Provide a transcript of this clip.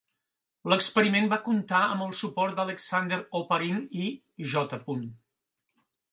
L'experiment va comptar amb el suport d'Alexander Oparin i J.